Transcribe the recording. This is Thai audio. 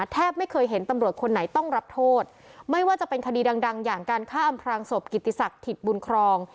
แทบไม่เคยเห็นตำรวจคนไหนต้องรับโทษไม่ว่าจะเป็นคดีดังดังอย่างการฆ่าอำพรางศพกิติศักดิ์ถิตบุญครอง